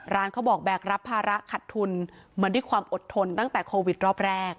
ร้านเขาบอกแบกรับภาระขัดทุนมาด้วยความอดทนตั้งแต่โควิดรอบแรก